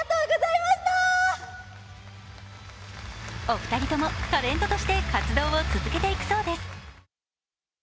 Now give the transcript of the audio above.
お二人ともタレントとして活動を続けていくそうです。